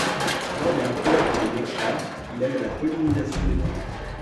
Lors de la collecte de nectar, il aide à la pollinisation des plantes.